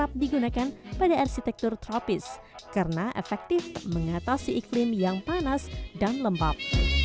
dan juga adalah hal yang kerap digunakan pada arsitektur tropis karena efektif mengatasi iklim yang panas dan lembab